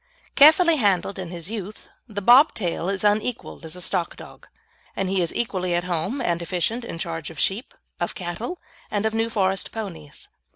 Carefully handled in his youth, the bob tail is unequalled as a stock dog, and he is equally at home and efficient in charge of sheep, of cattle, and of New Forest ponies.